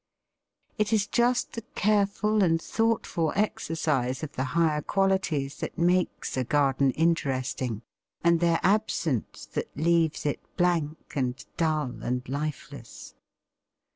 It is just the careful and thoughtful exercise of the higher qualities that makes a garden interesting, and their absence that leaves it blank, and dull, and lifeless.